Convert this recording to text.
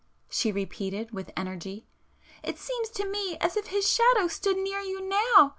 she repeated with energy—"It seems to me as if his Shadow stood near you now!